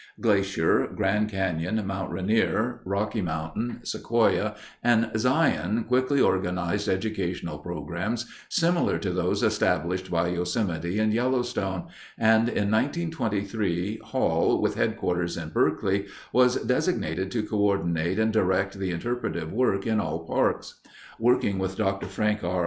Glacier, Grand Canyon, Mount Rainier, Rocky Mountain, Sequoia, and Zion quickly organized educational programs similar to those established by Yosemite and Yellowstone, and in 1923 Hall, with headquarters in Berkeley, was designated to coördinate and direct the interpretive work in all parks. Working with Dr. Frank R.